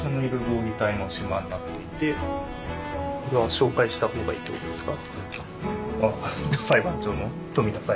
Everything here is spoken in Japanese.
紹介したほうがいいってことですか？